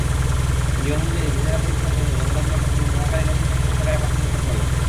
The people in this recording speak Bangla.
নিয়ম অনুযায়ী ভিসেরা পরীক্ষার জন্য নমুনাগুলো প্রথমে মহাখালীর রাসায়নিক পরীক্ষাগারে পাঠানোর কথা রয়েছে।